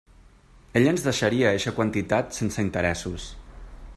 Ell ens deixaria eixa quantitat sense interessos.